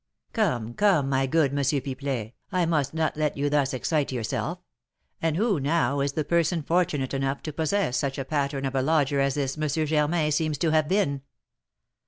"Come, come, my good M. Pipelet, I must not let you thus excite yourself; and who, now, is the person fortunate enough to possess such a pattern of a lodger as this M. Germain seems to have been?"